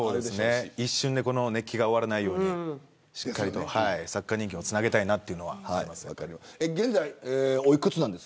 一瞬でこの熱気が終わらないように、しっかりとサッカー人気をつなげたいという思いはあります。